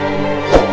namun ya kau tahu